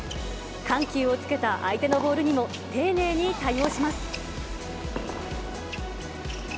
緩急をつけた相手のボールにも丁寧に対応します。